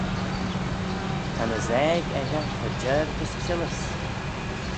Ta'n aasaag echey cha jiarg as çhillys.